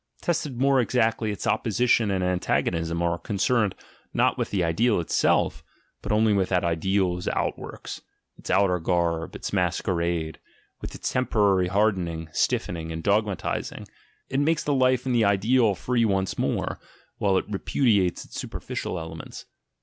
Tested more exactly, lion and antagonism are concerned not with the [deal itself, but only with that ideal's outworks, its outer ASCETIC IDEALS 167 garb, its masquerade, with its temporary hardening, stif fening, and dogmatising — it makes the life in the ideal free once more, while it repudiates its superficial elements.